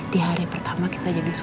di hari pertama kita jadi